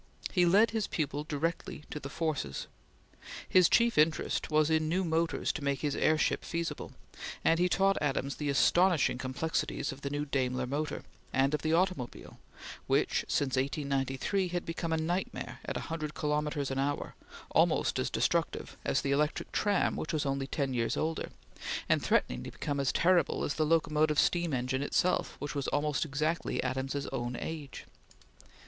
He led his pupil directly to the forces. His chief interest was in new motors to make his airship feasible, and he taught Adams the astonishing complexities of the new Daimler motor, and of the automobile, which, since 1893, had become a nightmare at a hundred kilometres an hour, almost as destructive as the electric tram which was only ten years older; and threatening to become as terrible as the locomotive steam engine itself, which was almost exactly Adams's own age.